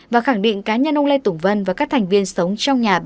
và khẳng định cá nhân ông lê tùng vân và các thành viên sống trong nhà